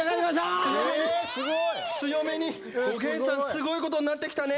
すごいことになってきたね！